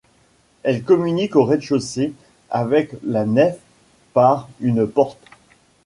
Elle communique au rez-de-chaussée avec la nef par une porte.